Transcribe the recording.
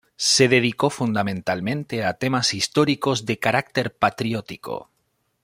Se dedicó fundamentalmente a temas históricos de carácter patriótico.